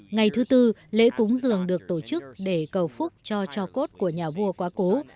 ngày thứ tư lễ cúng dường được tổ chức để cầu phúc cho cho cốt của nhà vua quá cố